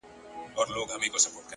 خو ستا به زه اوس هيڅ په ياد كي نه يم،